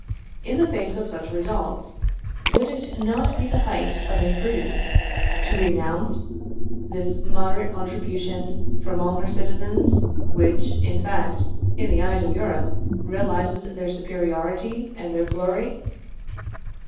In the face of such results, would it not be the height of imprudence to renounce this moderate contribution from all her citizens, which, in fact, in the eyes of Europe, realises their superiority and their glory?